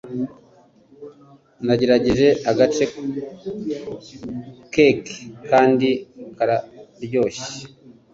Nagerageje agace kake kandi kararyoshye.